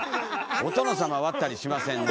お殿様割ったりしませんね。